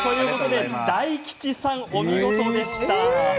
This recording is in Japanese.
大吉さん、お見事でした。